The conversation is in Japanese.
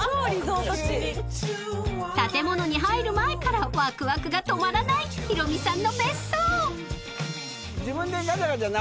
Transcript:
［建物に入る前からわくわくが止まらないヒロミさんの別荘］